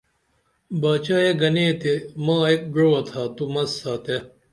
باچائے گنے تے ما ایک گوعہ تھا تو مس ساتے